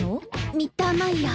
ミッターマイヤー。